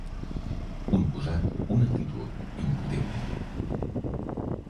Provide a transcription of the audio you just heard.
Un posat, una actitud, impotent.